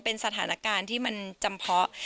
เป็นสถานการณ์ที่มันจำเพาะ